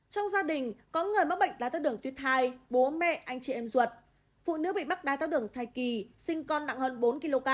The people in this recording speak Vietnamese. trong gia đình có người mắc bệnh đáy thái đường tuyết hai bố mẹ anh chị em ruột phụ nữ bị mắc đáy thái đường thai kỳ sinh con nặng hơn bốn kg